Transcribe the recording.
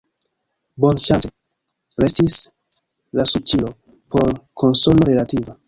Bonŝance, restis la suĉilo por konsolo relativa.